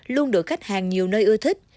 luôn được khách hàng nhiều nơi ưa thích